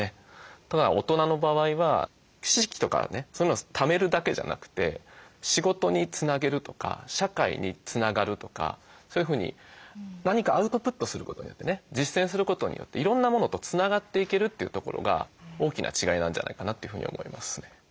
ただ大人の場合は知識とかねそういうのをためるだけじゃなくて仕事につなげるとか社会につながるとかそういうふうに何かアウトプットすることによってね実践することによっていろんなものとつながっていけるというところが大きな違いなんじゃないかなというふうに思いますね。